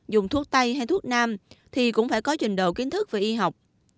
dùng thuốc tây hay thuốc nam thì cũng phải có trình độ kiến thức về y học